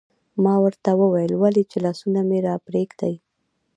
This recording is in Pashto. ما ورته وویل: ولې؟ چې لاسونه مې راپرېږدي.